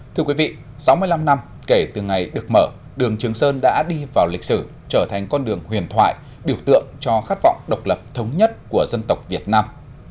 thưa quý vị sáu mươi năm năm kể từ ngày được mở đường trường sơn đã đi vào lịch sử trở thành con đường huyền thoại biểu tượng cho khát vọng độc lập thống nhất của dân tộc việt nam